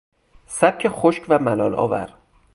سبک خشک و ملالآور